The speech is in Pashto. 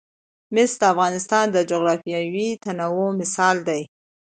مس د افغانستان د جغرافیوي تنوع مثال دی.